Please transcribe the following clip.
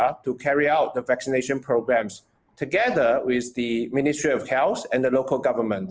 untuk membawa program vaksinasi bersama dengan kementerian kesehatan dan pemerintah